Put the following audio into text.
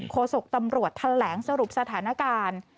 โศกตำรวจแถลงสรุปสถานการณ์